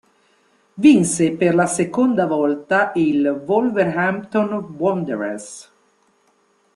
Vinse per la seconda volta il Wolverhampton Wanderers.